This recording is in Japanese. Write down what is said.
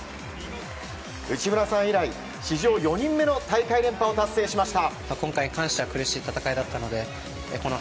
内村さん以来史上４人目の大会連覇を達成しました。